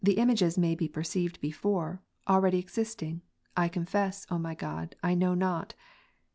images maybe perceived before, abeady existing, I confess, O my God, I know not.